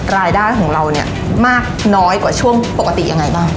รายได้ของเราเนี่ยมากน้อยกว่าช่วงปกติยังไงบ้าง